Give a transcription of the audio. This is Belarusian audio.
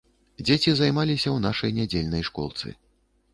Дзеці займаліся ў нашай нядзельнай школцы.